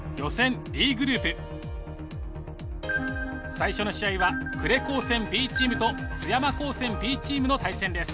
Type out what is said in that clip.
最初の試合は呉高専Ｂチームと津山高専Ｂチームの対戦です。